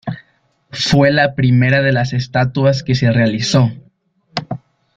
Fue la primera de las estatuas que se realizó.